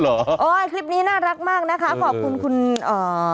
เอาต้องทำอย่างนั้นจริงเลยโอ้ยคลิปนี้น่ารักมากนะคะขอบคุณคุณเอ่อ